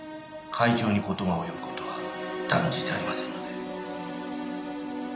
会長に事が及ぶ事は断じてありませんので。